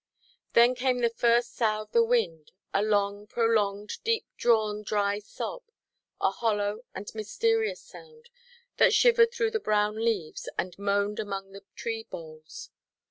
Then came the first sough of the wind, a long, prolonged, deep–drawn, dry sob, a hollow and mysterious sound, that shivered through the brown leaves, and moaned among the tree–boles.